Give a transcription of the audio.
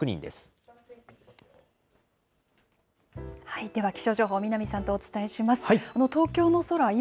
では、気象情報、南さんとお伝えします。